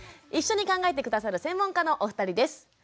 一緒に考えて下さる専門家のお二人です。